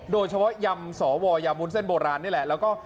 โดยเฉพาะยำสอโวยะมุ้นเส้นโบราณนี่แหละแล้วก็